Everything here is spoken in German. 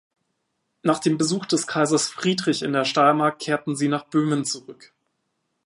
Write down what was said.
Nach dem Besuch des Kaisers Friedrich in der Steiermark kehrte sie nach Böhmen zurück.